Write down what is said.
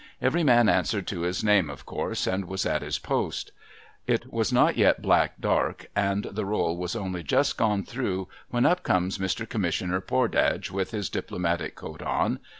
Every man answered to his name, of course, and was at his post. It was not yet black dark, and the roll was only just gone through, when up comes Mr. Commissioner Pordage with his Diplomatic coat on.